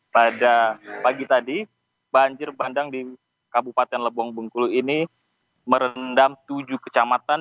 pada pagi tadi banjir bandang di kabupaten lebong bengkulu ini merendam tujuh kecamatan